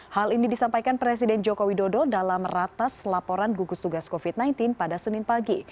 hal ini disampaikan presiden joko widodo dalam ratas laporan gugus tugas covid sembilan belas pada senin pagi